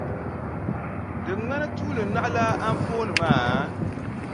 Di ŋmani tuuli naɣilaa anfooni maa?